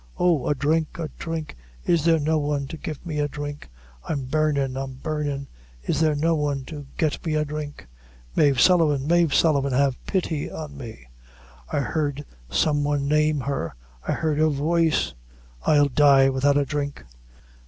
Oh, a dhrink, a dhrink is there no one to get me a dhrink! I'm burnin', I'm burnin' is there no one to get me a dhrink! Mave Sullivan, Mave Sullivan, have pity on me! I heard some one name her I heard her voice I'll die without a dhrink."